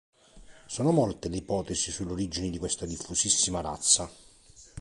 Sono molte le ipotesi sulle origini di questa diffusissima razza.